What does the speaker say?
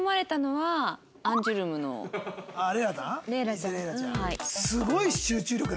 はい。